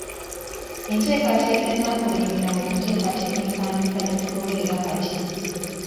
Enteekateeka ezaakulembera mu kuteekateeka empandiika gye tugoberera kati.